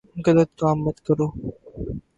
غلط کام مت کرو ـ